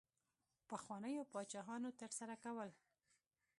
پخوانیو پاچاهانو ترسره کول.